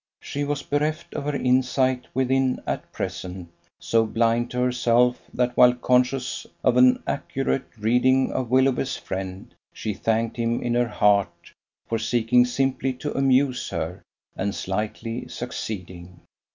She was bereft of her insight within at present, so blind to herself that, while conscious of an accurate reading of Willoughby's friend, she thanked him in her heart for seeking simply to amuse her and slightly succeeding.